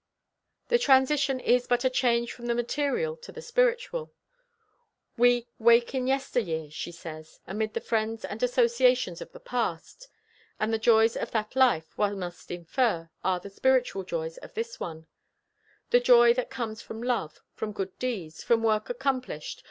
The transition is but a change from the material to the spiritual. We "wake in yesteryear," she says,—amid the friends and associations of the past; and the joys of that life, one must infer, are the spiritual joys of this one, the joy that comes from love, from good deeds, from work accomplished.